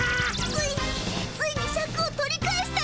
ついについにシャクを取り返したよ！